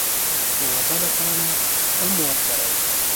_يوه بله پاڼه ام ورسره وه.